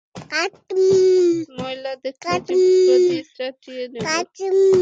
ময়লা দেখলে জিহবা দিয়ে চাটিয়ে নেব।